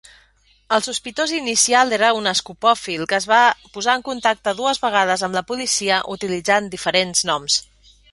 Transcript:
El sospitós inicial era un escopòfil que es va posar en contacte dues vegades amb la policia utilitzant diferents noms.